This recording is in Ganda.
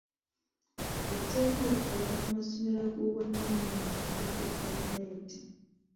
Etteeka likola ku masomero ag'obwannanyini n'aga gavumenti.